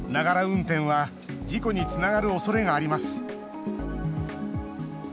運転は事故につながるおそれがあります。